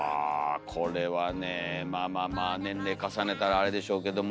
これはねまあまあまあ年齢重ねたらあれでしょうけども。